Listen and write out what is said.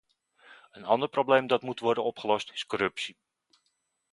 Een ander probleem dat moet worden opgelost is corruptie.